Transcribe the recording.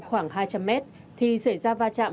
khoảng hai trăm linh mét thì xảy ra va chạm